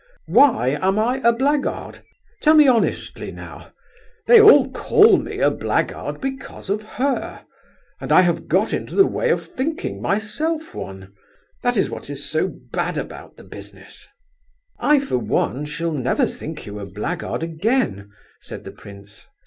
Why am I a blackguard? Tell me honestly, now. They all call me a blackguard because of her, and I have got into the way of thinking myself one. That's what is so bad about the business." "I for one shall never think you a blackguard again," said the prince.